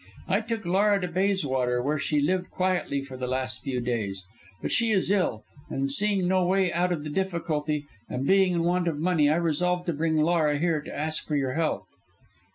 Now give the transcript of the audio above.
I took Laura to Bayswater, where we lived quietly for the last few days. But she is ill, and seeing no way out of the difficulty, and being in want of money, I resolved to bring Laura here and ask for your help."